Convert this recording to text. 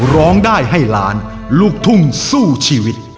ร้องได้ให้ล้านลูกทุ่งสู้ชีวิต